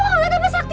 lo udah lepas sakti